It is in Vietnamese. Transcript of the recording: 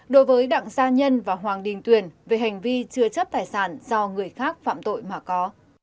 đối với đặng gia nhân và hoàng đình tuyển về hành vi chưa chấp tài sản do người khác phạm tội mà có